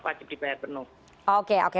wajib dibayar penuh oke oke